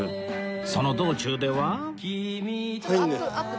その道中では